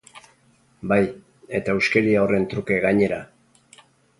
Bai, eta huskeria horren truke gainera.